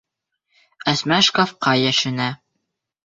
Әсмә шкафҡа йәшенә.